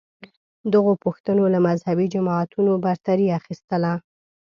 دغو پوښتنو له مذهبې جماعتونو برتري اخیستله